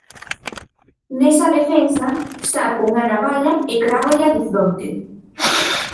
Nesa defensa, saco unha navalla e crávolla de fronte.